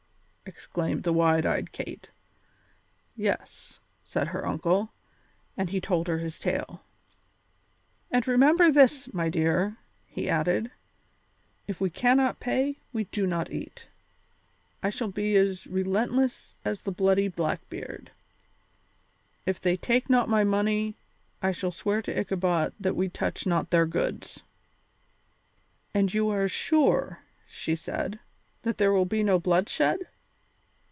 exclaimed the wide eyed Kate. "Yes," said her uncle, and he told his tale. "And remember this, my dear," he added; "if we cannot pay, we do not eat. I shall be as relentless as the bloody Blackbeard; if they take not my money, I shall swear to Ichabod that we touch not their goods." "And are you sure," she said, "that there will be no bloodshed?"